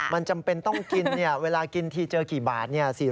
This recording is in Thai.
มันจำเป็นต้องกินเวลากินทีเจอกี่บาท